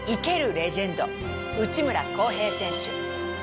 レジェンド内村航平選手。